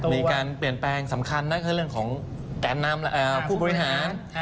มีการเปลี่ยนแปลงสำคัญนั่นคือเรื่องของการนำผู้บริหาร